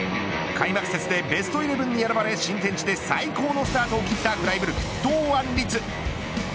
開幕節でベストイレブンに選ばれ新天地で最高のスタートを切ったフライブルク、堂安律。